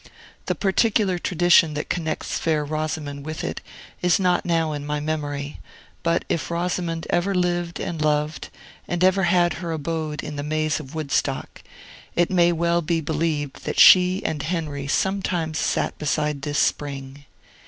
The particular tradition that connects Fair Rosamond with it is not now in my memory; but if Rosamond ever lived and loved, and ever had her abode in the maze of Woodstock, it may well be believed that she and Henry sometimes sat beside this spring.